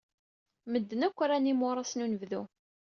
Medden akk ran imuras n unebdu.